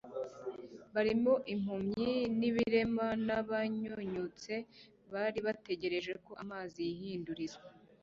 barimo impumyi n’ibirema, n’abanyunyutse bari bategereje ko amazi yihinduriza”